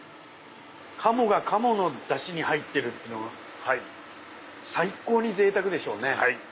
鴨が鴨のだしに入ってるって最高にぜいたくでしょうね。